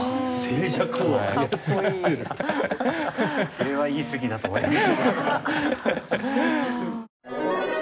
それは言いすぎだと思います。